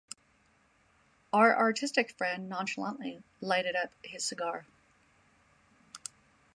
Our artistic friend nonchalantly lighted up his cigar.